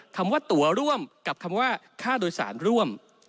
คำว่าตัวร่วมกับคำว่าค่าโดยสารร่วม